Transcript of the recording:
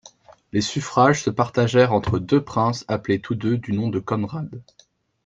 Les suffrages se partagèrent entre deux princes appelés tous deux du nom de Conrad.